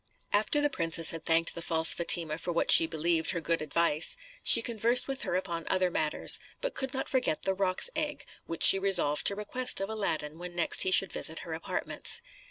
After the princess had thanked the false Fatima for what she believed her good advice, she conversed with her upon other matters; but could not forget the roc's egg, which she resolved to request of Aladdin when next he should visit her apartments.